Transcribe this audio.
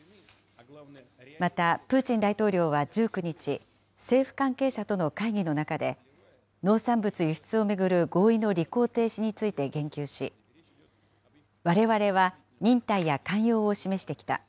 またプーチン大統領は１９日、政府関係者との会議の中で、農産物輸出を巡る合意の履行停止について言及し、われわれは忍耐や寛容を示してきた。